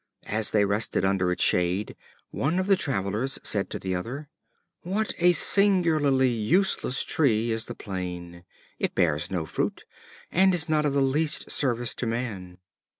As they rested under its shade, one of the Travelers said to the other: "What a singularly useless tree is the Plane. It bears no fruit, and is not of the least service to man."